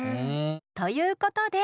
ということで。